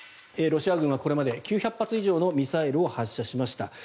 ロシア軍はこれまで９００発以上のミサイルを発射しました。